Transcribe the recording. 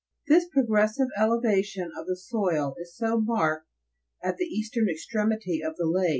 This progressive elevation of the soil is so marked at the eastern extremity of the |^.